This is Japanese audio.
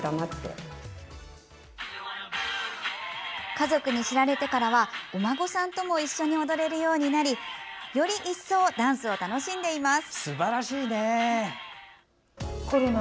家族に知られてからはお孫さんとも一緒に踊れるようになりより一層ダンスを楽しんでいます。